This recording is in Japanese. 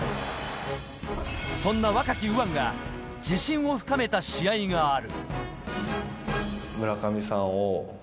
そんな若き右腕が自信を深めた試合がある。